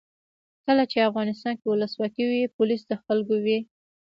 کله چې افغانستان کې ولسواکي وي پولیس د خلکو وي.